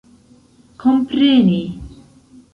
kompreni